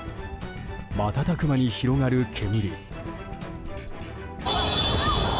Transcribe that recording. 瞬く間に広がる煙。